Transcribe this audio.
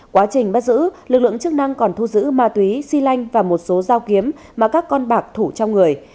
quá trình bắt giữ lực lượng chức năng còn thu giữ ma túy xi lanh và một số dao kiếm mà các con bạc thủ trong người